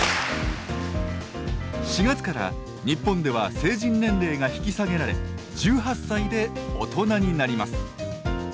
４月から日本では成人年齢が引き下げられ１８歳で大人になります。